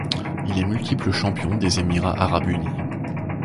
Il est multiple champion des Émirats arabes unis.